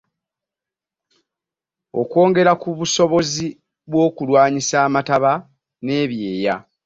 Okwongera ku busobozi bw’okulwanyisa amataba n’ebyeya.